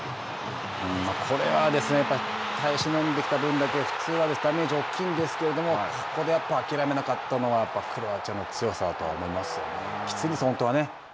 これは、耐え忍んできた分だけ普通はダメージが大きいんですけど、ここで諦めなかったのは、クロアチアの強さだと思いますよね。